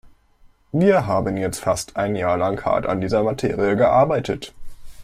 Wir haben jetzt fast ein Jahr lang hart an dieser Materie gearbeitet.